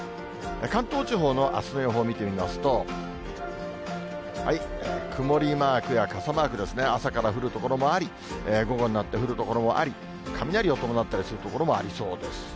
関東地方のあすの予報見てみますと、曇りマークや傘マークですね、朝から降る所もあり、午後になって降る所もあり、雷を伴ったりする所もありそうです。